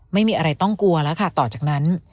ไม่มีอะไรต้องกลัวแล้วค่ะต่อจากนั้น